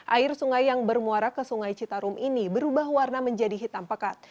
air sungai yang bermuara ke sungai citarum ini berubah warna menjadi hitam pekat